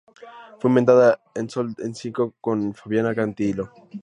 Fue invitada en "Sol en cinco" con Fabiana Cantilo.